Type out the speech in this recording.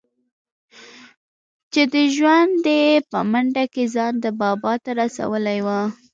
چې دى ژوندى دى په منډه يې ځان ده بابا ته رسولى و.